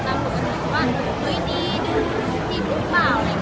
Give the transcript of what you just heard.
ช่องความหล่อของพี่ต้องการอันนี้นะครับ